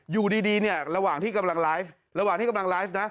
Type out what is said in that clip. อยู่ดีเนี่ยระหว่างที่กำลังไลฟ์ระหว่างที่กำลังไลฟ์นะ